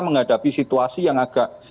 menghadapi situasi yang agak